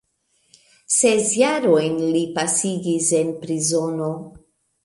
Ses jarojn li pasigis en prizono.